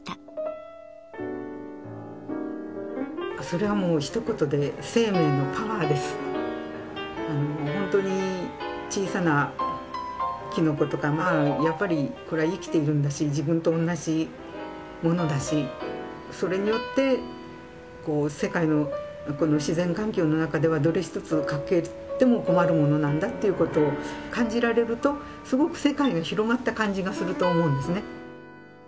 それはもうひと言で本当に小さなきのことかやっぱりこれは生きているんだし自分と同じものだしそれによって世界の自然環境の中ではどれ一つ欠けても困るものなんだということを感じられるとすごく世界が広がった感じがすると思うんですね。